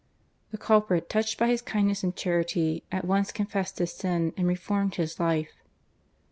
The culprit, touched by his kindness and charity, at once con fessed his sin and reformed his life.